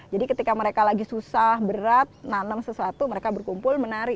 jadi ketika mereka lagi susah berat nanam sesuatu mereka berkumpul menari